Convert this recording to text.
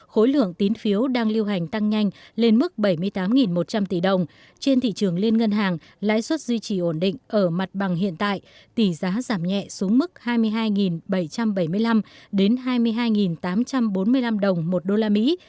khối lượng tín phiếu đang lưu hành tăng nhanh lên mức bảy mươi tám một trăm linh tỷ đồng trên thị trường liên ngân hàng lãi suất duy trì ổn định ở mặt bằng hiện tại tỷ giá giảm nhẹ xuống mức hai mươi hai bảy trăm bảy mươi năm đến hai mươi hai tám trăm bốn mươi năm đồng một đô la mỹ